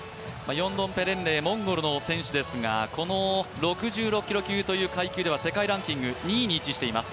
ヨンドンペレンレイ、モンゴルの選手ですが、６６キロ級という階級では世界ランキング２位に位置しています。